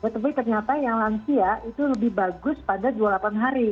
tapi ternyata yang lansia itu lebih bagus pada dua puluh delapan hari